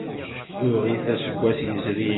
Tuɣ-it aseggas yezrin.